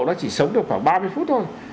nó chỉ sống được khoảng ba mươi phút thôi